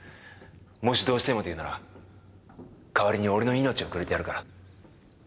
もしどうしてもと言うなら代わりに俺の命をくれてやるから。